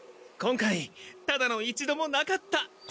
今回ただの一度もなかった。